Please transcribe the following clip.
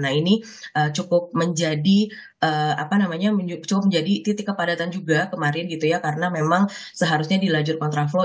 nah ini cukup menjadi titik kepadatan juga kemarin gitu ya karena memang seharusnya dilanjut kontra flow